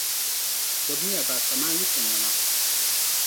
Gbibimi ya ba ka mani yi simnima.